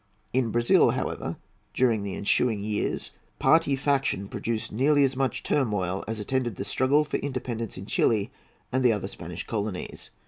In Brazil, however, during the ensuing years party faction produced nearly as much turmoil as attended the struggle for independence in Chili and the other Spanish, colonies.